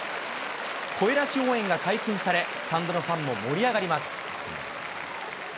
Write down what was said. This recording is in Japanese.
声出し応援が解禁され、スタンドのファンも盛り上がります。